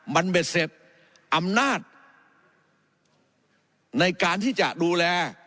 มันเมษตรอำนาจในการที่จะดูแล